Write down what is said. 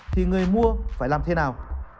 thì người mua phải làm thế nào